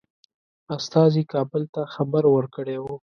استازي کابل ته خبر ورکړی وو.